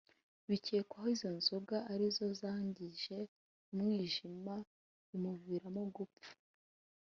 Bikekwako izo nzoga ari zo zangije umwijima bimuviramo gupfa